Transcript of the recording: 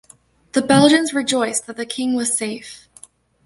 The Belgians rejoiced that the king was safe.